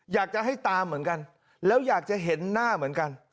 อยากจะให้ตามเหมือนกันแล้วอยากจะเห็นหน้าเหมือนกัน